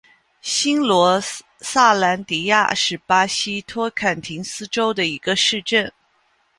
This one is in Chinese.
新罗萨兰迪亚是巴西托坎廷斯州的一个市镇。